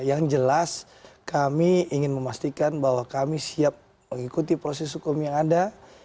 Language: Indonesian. yang jelas kami ingin memastikan bahwa kami siap mengikuti proses hukum yang ada